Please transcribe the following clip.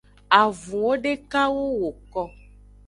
Avunwo dekawo woko.